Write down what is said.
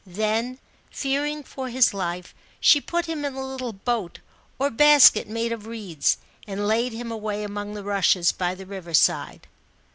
Then, fearing for his life, she put him in a little boat or basket made of reeds, and laid him away among the rushes, by the river side.